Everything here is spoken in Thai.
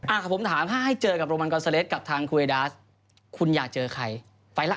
อ่าผมถามก็ให้เจอกับโรแมนกอลเซเลสกับทางโครวีดาฌคุณอยากเจอใคร